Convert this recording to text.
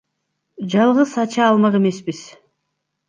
Жалгыз ача алмак эмеспиз.